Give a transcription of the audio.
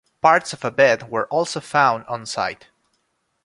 Parts of a bed were also found onsite.